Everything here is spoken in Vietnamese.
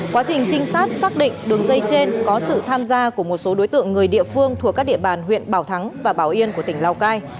quá trình trinh sát xác định đường dây trên có sự tham gia của một số đối tượng người địa phương thuộc các địa bàn huyện bảo thắng và bảo yên của tỉnh lào cai